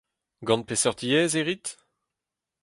Gant peseurt yezh e rit ?